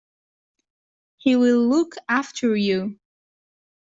He will look after you.